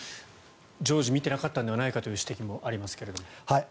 常時見ていなかったのではないかという指摘もありますが。